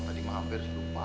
tadi mah hampir lupa